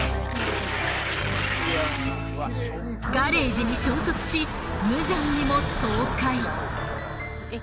ガレージに衝突し無残にも倒壊。